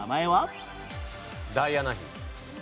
ダイアナ妃。